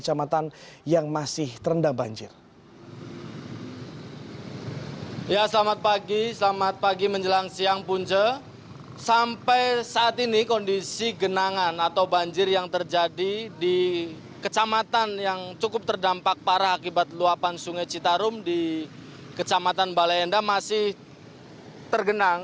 siang punca sampai saat ini kondisi genangan atau banjir yang terjadi di kecamatan yang cukup terdampak parah akibat luapan sungai citarum di kecamatan baleendah masih tergenang